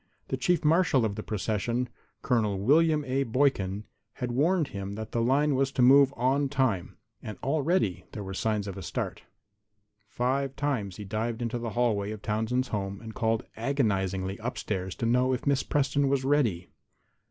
The chief marshal of the procession, Col. William A. Boykin, had warned him that the line was to move on time, and already there were signs of a start. Five times he dived into the hallway of Townsend's home and called agonizingly upstairs to know if Miss Preston was ready.